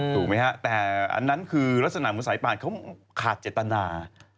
แต่อันนั้นคือลักษณะของสายปานเขาขาดเจตนา